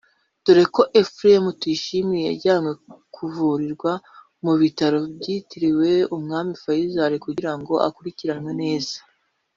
dore ko Ephrem Tuyishimire yajyanwe kuvurirwa mu bitaro byitiriwe Umwami Faisal kugira ngo akurikiranwe neza